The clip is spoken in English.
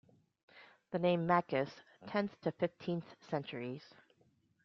The name "Maccus", tenth to fifteenth centuries.